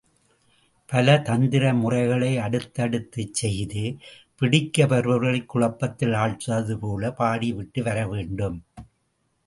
பல தந்திர முறைகளை அடுத்தடுத்து செய்து, பிடிக்க வருபவர்களைக் குழப்பத்தில் ஆழ்த்துவது போல பாடிவிட்டு வர வேண்டும்.